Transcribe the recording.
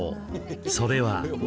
それは。